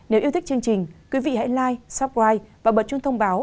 nếu yêu thích chương trình quý vị hãy like subscribe và bật chuông thông báo